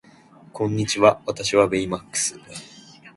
こんにちは私はベイマックス